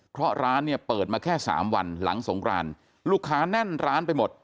เพราะร้านเนี่ยเปิดมาแค่สามวันหลังสงครานลูกค้าแน่นร้านไปหมด